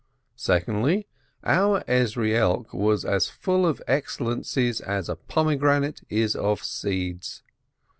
Secondly, our Ezrielk was as full of excellencies as a pomegranate is of seeds.